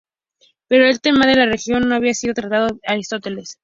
Pero el tema de la religión no había sido tratado por Aristóteles.